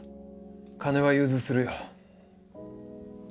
金は融通するよ。